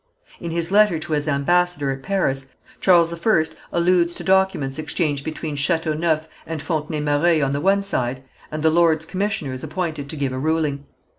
In his letter to his ambassador at Paris Charles I alludes to documents exchanged between Chateauneuf and Fontenay Mareuil on the one side, and the lords commissioners appointed to give a ruling.